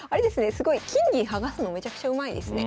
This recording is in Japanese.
すごい金銀剥がすのめちゃくちゃうまいですね。